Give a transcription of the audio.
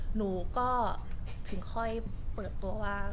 หนูก็ถึงค่อยเปิดตัวว่า